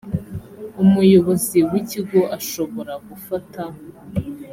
umuyobozi w ikigo ashobora gufata